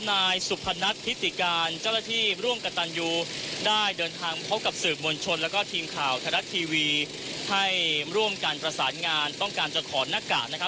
นายสุพนัทธิติการเจ้าหน้าที่ร่วมกับตันยูได้เดินทางพบกับสื่อมวลชนแล้วก็ทีมข่าวไทยรัฐทีวีให้ร่วมการประสานงานต้องการจะขอหน้ากากนะครับ